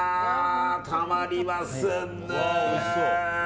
たまりませんね。